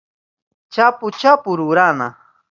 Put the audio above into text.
chapu chapu rurana